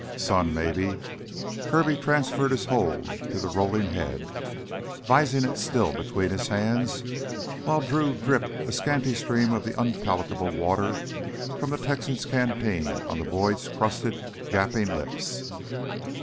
"Sun, maybe." Kirby transferred his hold to the rolling head, vising it still between his hands while Drew dripped a scanty stream of the unpalatable water from the Texan's canteen onto Boyd's crusted, gaping lips.